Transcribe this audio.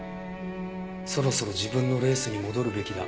そろそろ自分のレースに戻るべきだ。